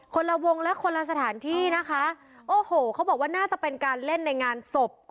ละวงและคนละสถานที่นะคะโอ้โหเขาบอกว่าน่าจะเป็นการเล่นในงานศพ